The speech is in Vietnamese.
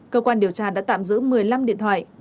cơ quan điều tra đã tạm giữ một mươi năm điện thoại